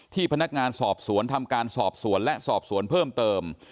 พนักงานสอบสวนทำการสอบสวนและสอบสวนเพิ่มเติม